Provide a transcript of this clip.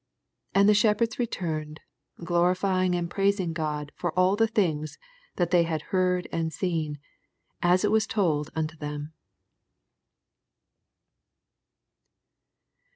20 And the shepherds returned, glorifying and praising God for all the things that they mtd heard anu seen, as it was told unto them.